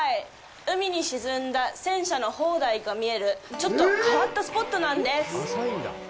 海に沈んだ戦車の砲台が見えるちょっと変わったスポットなんです。